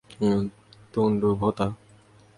তুণ্ড ভোঁতা।